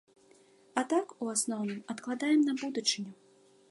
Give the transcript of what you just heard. А так, у асноўным, адкладаем, на будучыню.